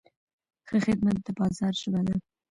ښه خدمت د بازار ژبه ده.